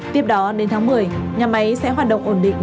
tiếp đó đến tháng một mươi nhà máy sẽ hoạt động ổn định